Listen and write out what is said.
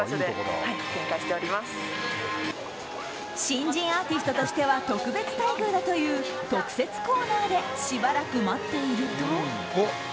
新人アーティストとしては特別待遇だという特設コーナーでしばらく待っていると。